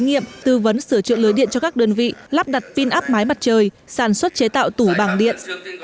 công ty dịch vụ điện lực miền bắc có khí nghiệm tư vấn sửa trượt lưới điện cho các đơn vị lắp đặt pin áp mái mặt trời sản xuất chế tạo tủ bằng điện